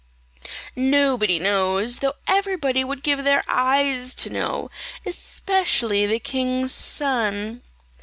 "Nobody knows, though everybody would give their eyes to know, especially the king's son."